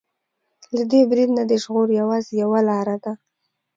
له دې برید نه د ژغور يوازې يوه لاره ده.